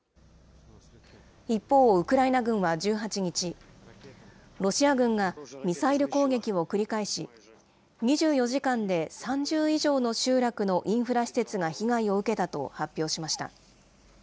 一方、ウクライナ軍は１８日、ロシア軍がミサイル攻撃を繰り返し、２４時間で３０以上の集落のインフラ施設が被害を受けたと発表しました。